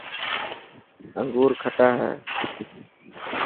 انوگور کٽا هي.